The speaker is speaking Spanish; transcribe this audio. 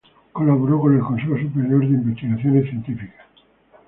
Colaboró con el "Consejo Superior de Investigaciones Científicas".